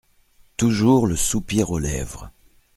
Toujours le soupir aux lèvres !